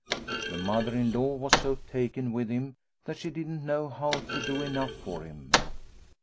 The mother in law was so taken with him that she didn't know how to do enough for him.